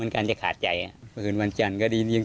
คิดว่าเป็นเสียง